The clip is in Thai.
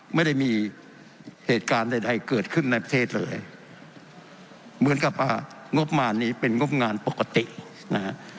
ไม่ได้มีเหตุการณ์ใดเกิดขึ้นในประเทศเลยเหมือนกับว่างบมารนี้เป็นงบงานปกตินะฮะ